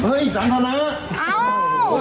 เฮ้ยสันธาระไป